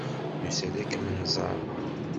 Nusa-d ad kem-nẓer.